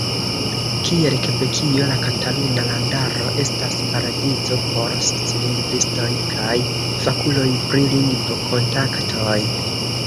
Kiel Kebekio, la Kataluna Landaro estas paradizo por socilingvistoj kaj fakuloj pri lingvo-kontaktoj.